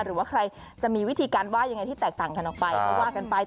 หรือว่าใครจะมีวิธีการว่ายังไงที่แตกต่างกันออกไปก็ว่ากันไป